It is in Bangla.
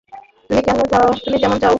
তুমি যেমন চাও।